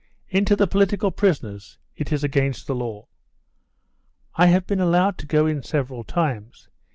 "In to the political prisoners? It is against the law." "I have been allowed to go in several times.